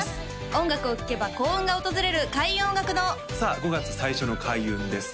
音楽を聴けば幸運が訪れる開運音楽堂さあ５月最初の開運です